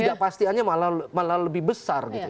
tidakpastiannya malah lebih besar gitu ya